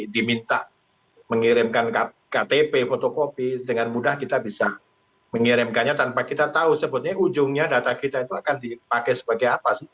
diminta mengirimkan ktp fotokopi dengan mudah kita bisa mengirimkannya tanpa kita tahu sebetulnya ujungnya data kita itu akan dipakai sebagai apa sih